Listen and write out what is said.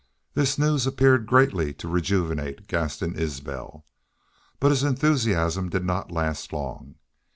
This news appeared greatly to rejuvenate Gaston Isbel. But his enthusiasm did not last long.